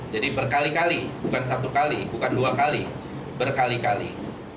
jadi berkali kali bukan satu kali bukan dua kali berkali kali